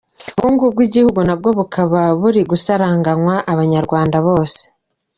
Ubukungu bw’igihugu nabwo bukaba buri gusaranganywa abanyarwanda bose.